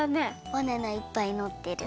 バナナいっぱいのってる。